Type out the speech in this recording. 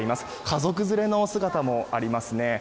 家族連れのお姿もありますね。